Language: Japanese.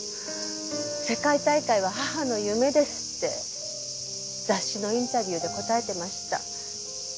世界大会は母の夢ですって雑誌のインタビューで答えてました。